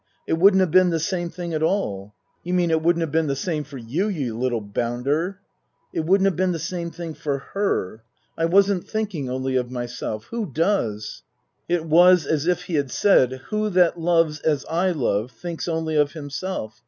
It wouldn't have been the same thing at all." " You mean it wouldn't have been the same for you, you little bounder." " It wouldn't have been the same thing for her. I wasn't thinking only of myself. Who does ?" It was as if he had said :" Who that loves as I love thinks only of himself